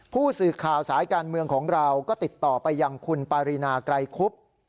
ผู้สื่อข่าวสายการเมืองของเราก็ติดต่อไปยังคุณปารีนาไกรคุบ